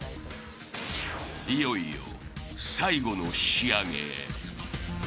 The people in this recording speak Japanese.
［いよいよ最後の仕上げへ］